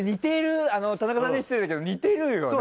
田中さんには失礼だけど似てるよね。